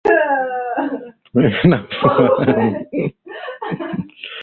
mimi nafumua nywele kisha nasuka tena kwa hivyo wewe ni